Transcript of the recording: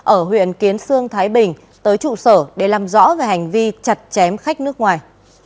ở huyện kiến sương thái bình tới trụ sở để làm rõ về hành vi chặt chém khách nước ngoài